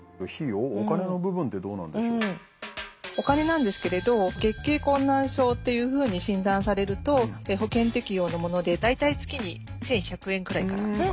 お金なんですけれど月経困難症というふうに診断されると保険適用のもので大体月に１，１００円くらいから。